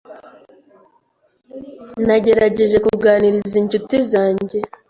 Nagerageje kuganiriza inshuti zange